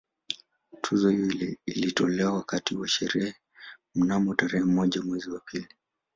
Tuzo hiyo ilitolewa wakati wa sherehe mnamo tarehe moja mwezi wa pili